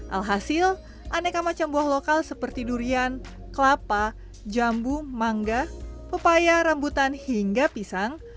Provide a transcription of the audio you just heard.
alhasil aneka macam buah lokal seperti durian kelapa jambu mangga pepaya rambutan hingga pisang